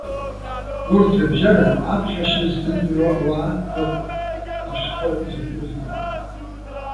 Урҭ рыбжьара аԥхьашьа ззымдыруа ауаа ыҟоуп, ашәҟәы закәу рыздыруам.